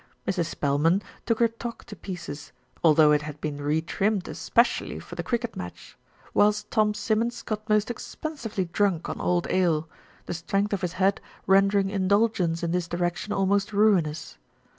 Mrs. Spelman took her toque to pieces, although it had been re trimmed specially for the cricket match, whilst Tom Simmons got most expensively drunk on old ale, the strength of his head rendering indulgence in this direction almost ruinous.